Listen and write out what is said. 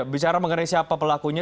bicara mengenai siapa pelakunya